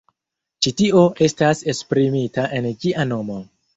Ĉi tio estas esprimita en ĝia nomo.